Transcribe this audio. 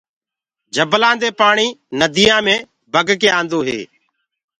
جبلآنٚ دي پآڻي ننديآنٚ مي ڪر ڪي آندو هي۔